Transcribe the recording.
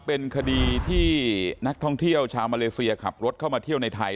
เป็นคดีที่นักท่องเที่ยวชาวมาเลเซียขับรถเข้ามาเที่ยวในไทย